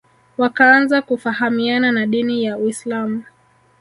wakaanza kufahamiana na dini ya Uislam